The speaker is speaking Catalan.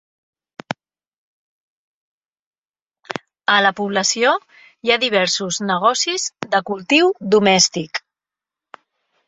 A la població, hi ha diversos negocis de "cultiu domèstic".